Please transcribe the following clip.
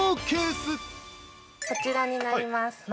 ◆こちらになります。